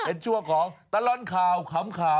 เป็นช่วงของตลอดข่าวขำ